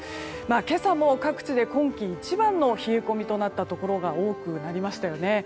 今朝も各地で今季一番の冷え込みとなったところが多くなりましたよね。